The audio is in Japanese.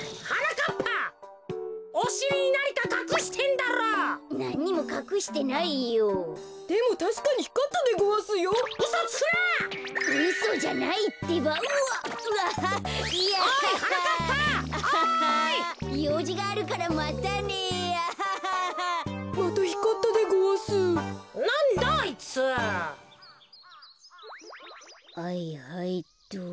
はいはいっと。